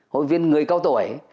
hội viên người cao tuổi